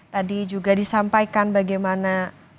tadi juga disampaikan bagaimana